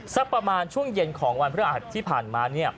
สักประมาณช่วงเย็นของวันพระอาทิตย์ที่ผ่านมาเนี่ย